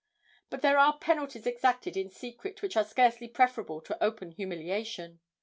But there are penalties exacted in secret which are scarcely preferable to open humiliation.